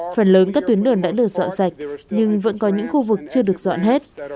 phần lớn các tuyến đường đã được dọn sạch nhưng vẫn có những khu vực chưa được dọn hết